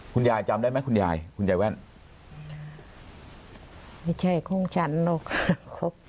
จำได้ไหมคุณยายคุณยายแว่นไม่ใช่ของฉันหรอกค่ะครบ